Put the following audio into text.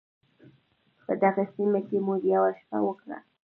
په دغې سیمه کې مو یوه شپه وکړه.